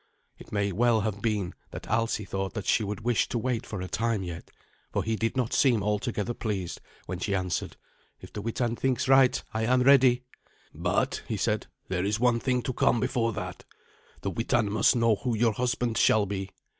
It may well have been that Alsi thought that she would wish to wait for a time yet, for he did not seem altogether pleased when she answered, "If the Witan thinks right, I am ready." "But," he said, "there is one thing to come before that. The Witan must know who your husband shall be.